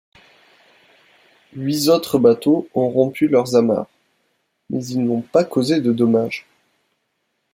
Huit autres bateaux ont rompu leurs amarres, mais ils n'ont pas causé de dommages.